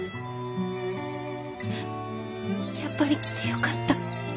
やっぱり来てよかった。